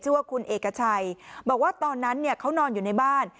ว่าคุณเอกชัยบอกว่าตอนนั้นเนี่ยเขานอนอยู่ในบ้าน